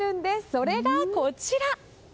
それが、こちら！